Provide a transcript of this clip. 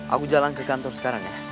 aku jalan ke kantor sekarang ya